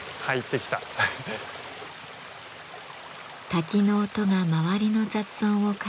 滝の音が周りの雑音をかき消し